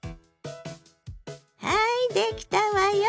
はいできたわよ。